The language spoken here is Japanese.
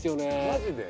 マジで？